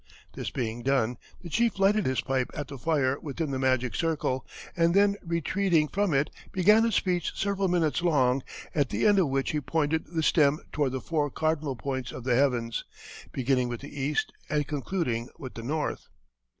This being done, the chief lighted his pipe at the fire within the magic circle, and then retreating from it, began a speech several minutes long, at the end of which he pointed the stem toward the four cardinal points of the heavens, beginning with the east and concluding with the north."